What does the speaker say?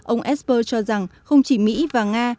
ông esper cho rằng không chỉ mỹ và nga